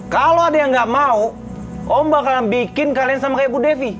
kalau ada yang nggak mau om bakal bikin kalian sama kayak bu devi